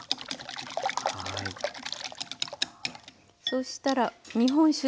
そうしたら日本酒です。